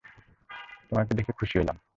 তোমাকে দেখে খুশি হলাম।